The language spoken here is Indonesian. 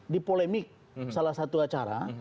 di polemik salah satu acara